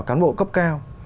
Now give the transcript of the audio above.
cán bộ cấp cao